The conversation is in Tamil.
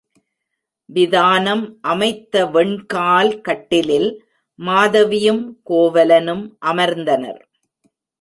விதானம் அமைத்த வெண்கால் கட்டிலில் மாதவியும் கோவலனும் அமர்ந்தனர்.